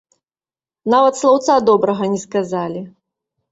Нават слаўца добрага не сказалі.